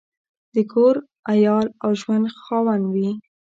د کور، عیال او ژوند خاوند وي.